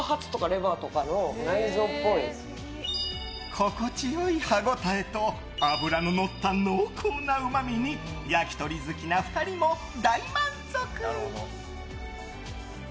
心地良い歯応えと脂ののった濃厚なうまみに焼き鳥好きな２人も大満足！